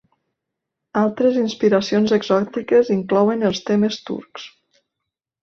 Altres inspiracions exòtiques inclouen els temes turcs.